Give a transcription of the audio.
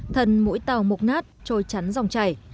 thần mũi tàu mục nát trôi chắn dòng chảy